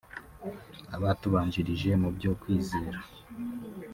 Abatubanjirije mu byo kwizera